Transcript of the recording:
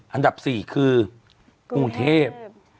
อันดับ๔คือกรุงเทพ